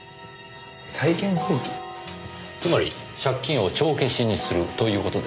つまり借金を帳消しにするという事ですね。